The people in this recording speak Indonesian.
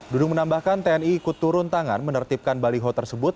dudung menambahkan tni ikut turun tangan menertibkan baliho tersebut